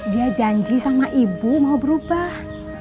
dia janji sama ibu mau berubah